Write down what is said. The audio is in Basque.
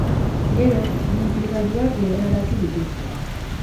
Gero, bi ibilgailuak leherrarazi dituzte.